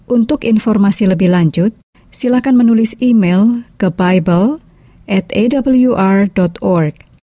untuk informasi lebih lanjut silakan menulis email ke bible awr org